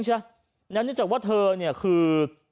และนอกจากว่าเธอเนี่ยคือ